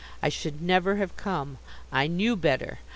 I should never have come. I knew better.